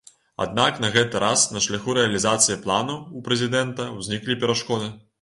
Аднак на гэты раз на шляху рэалізацыі плану ў прэзідэнта ўзніклі перашкоды.